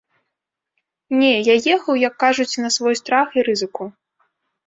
Не, я ехаў, як кажуць, на свой страх і рызыку.